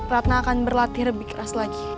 ratna akan berlatih lebih keras lagi